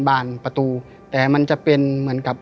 หล่นลงมาสองแผ่นอ้าวหล่นลงมาสองแผ่น